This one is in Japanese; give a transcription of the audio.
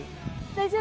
大丈夫？